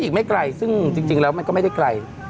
อีกไม่ไกลซึ่งจริงแล้วมันก็ไม่ได้ไกล